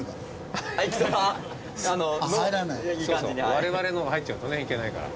我々のが入っちゃうとねいけないから。